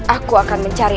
aku akan mencari